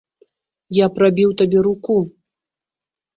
Я прабіў табе руку!